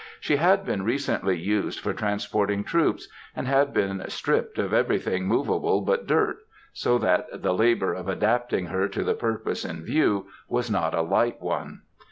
She had been recently used for transporting troops, and had been "stripped of everything movable but dirt,"—so that the labor of adapting her to the purpose in view was not a light one.